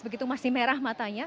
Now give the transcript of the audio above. begitu masih merah matanya